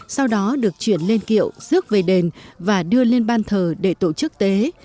sau đó được chuyển lên kiệu rước về đền và đưa lên ban thờ để tổ chức tế